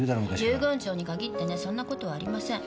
遊軍長に限ってねそんな事はありません。